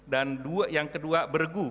dan yang kedua berguh